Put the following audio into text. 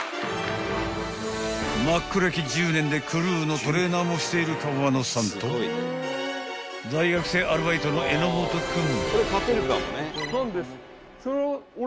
［マック歴１０年でクルーのトレーナーもしている川野さんと大学生アルバイトの榎本君］